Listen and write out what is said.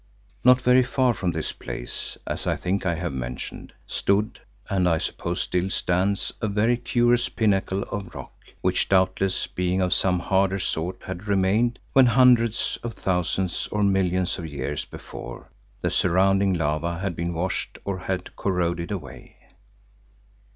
Not very far from this place, as I think I have mentioned, stood, and I suppose still stands, a very curious pinnacle of rock, which, doubtless being of some harder sort, had remained when, hundreds of thousands or millions of years before, the surrounding lava had been washed or had corroded away.